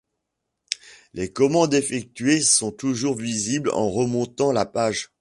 Les commandes effectuées sont toujours visibles en remontant la page.